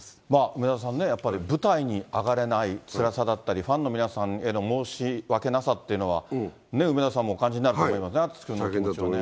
梅沢さんね、舞台に上がれないつらさだったり、ファンの皆さんへの申し訳なさというのは、梅沢さんもお感じになると思いますね、ＡＴＳＵＳＨＩ君の。